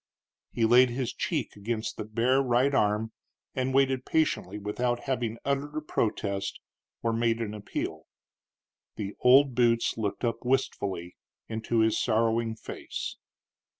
He laid his cheek against his bare right arm and waited patiently, without having uttered a protest or made an appeal. The old boots looked up wistfully into his sorrowing face.